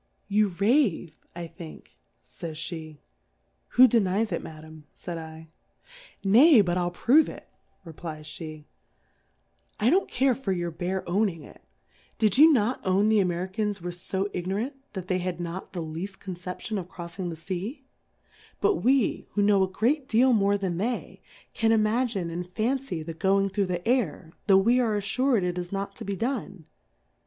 You rave, I think, fajsfit', Who denies it. Ma dam ? faui 1. Nay, but Til prove it,! re £Ues Plurality (?/ WORLDS. 6j l^iespe ; I don't care for your bare owning it : Did you not own the J meric^tjis were fo ignorant, that tlicy had not the lead: conception of croffing the Sea;M3Ut we, w^ho know a great deal more than they, can iinagine and tancy the going through the Air, tho' we are affuPd it is not to be done.